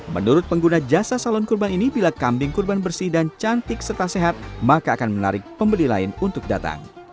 menurut pengguna jasa salon kurban ini bila kambing kurban bersih dan cantik serta sehat maka akan menarik pembeli lain untuk datang